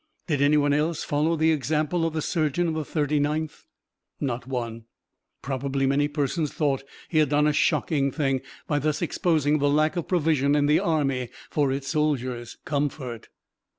Did anyone else follow the example of the surgeon of the 39th? Not one! Probably many persons thought he had done a shocking thing, by thus exposing the lack of provision in the army for its soldiers' comfort.